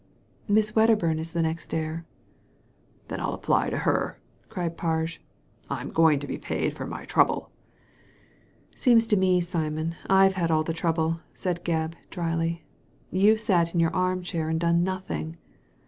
" Miss Wedderburn is the next heir." "Then I'll apply to her," cried Parge, "Fm going to be paid for my trouble." ''Seems to me, Simon, IVe had all the trouble,'* said Gebb, dryly. "You've sat in your armchair and done nothing."